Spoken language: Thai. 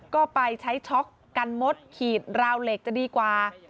ก็ไปใช้ช็อกกันมดขีดราวเหล็กจะดีกว่า